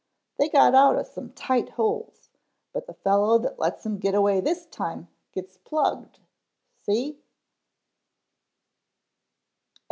They got out of some tight holes, but the fellow that lets 'em get away this time gets plugged, see."